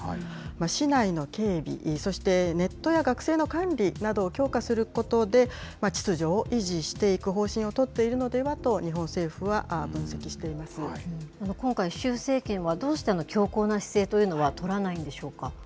市内の警備、そして、ネットや学生の管理などを強化することで、秩序を維持していく方針を取っているのではと、日本政府は分析し今回、習政権はどうして強硬な姿勢というのは取らないんでしょうか。